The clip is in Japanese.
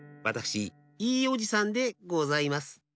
わたくしいいおじさんでございます。